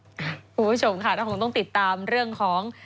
คุณผู้ชมค่ะเราคงต้องติดตามเรื่องของ